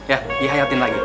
ya dihayatin lagi